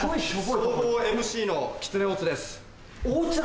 総合ＭＣのきつね・大津です。